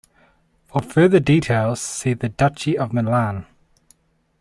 For further details, see the Duchy of Milan.